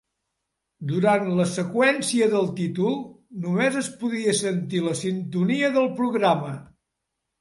Durant la seqüència del títol, només es podia sentir la sintonia del programa.